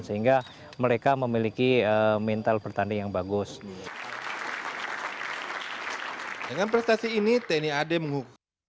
sehingga mereka memiliki mental pertandingan yang bagus